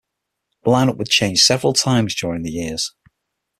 The lineup would change several times during the years.